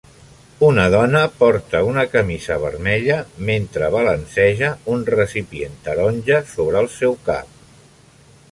Una dona porta una camisa vermella mentre balanceja un recipient taronja sobre el seu cap.